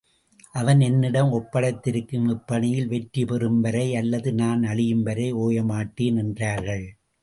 அவன் ள்ன்னிடம் ஒப்படைத்திருக்கும் இப்பணியில் வெற்றி பெறும் வரை அல்லது நான் அழியும் வரை ஒயமாட்டேன் என்றார்கள்.